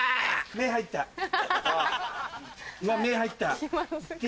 目入った痛。